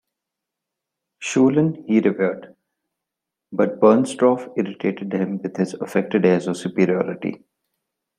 Schulin he revered, but Bernstorff irritated him with his affected airs of superiority.